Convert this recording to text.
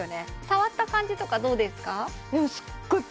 触った感じとかどうですか？